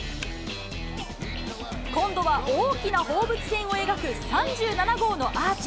今度は大きな放物線を描く３７号のアーチ。